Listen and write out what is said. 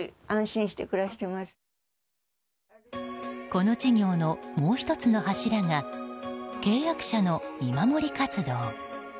この事業のもう１つの柱が契約者の見守り活動。